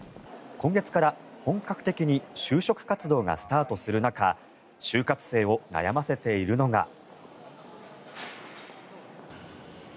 今月から本格的に就職活動がスタートする中就活生を悩ませているのが。